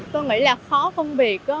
tôi nghĩ là khó không biết